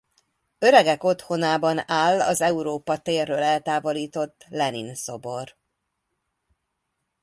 Öregek otthonában áll az Európa térről eltávolított Lenin szobor.